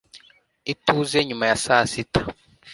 ituze nyuma ya saa sita